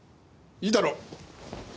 いいだろう。